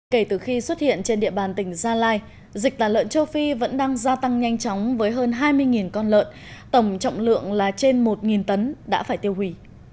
kể từ khi xuất hiện trên địa bàn tỉnh gia lai dịch tả lợn châu phi vẫn đang gia tăng nhanh chóng với hơn hai mươi con lợn tổng trọng lượng là trên một tấn đã phải tiêu hủy